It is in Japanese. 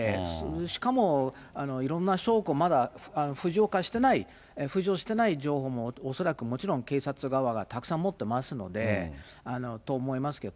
しかもいろんな証拠、まだ浮上してない情報も恐らくもちろん警察側がたくさん持ってますので、と思いますけど。